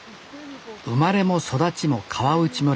生まれも育ちも川内村。